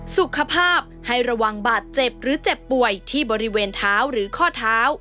สุขภาพให้ระวังบาดเจ็บหรือเจ็บป่วยที่บริเวณเท้าหรือข้อเท้า